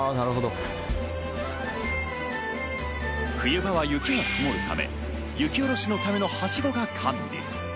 冬場は雪が積もるため、雪下ろしのためのはしごが完備。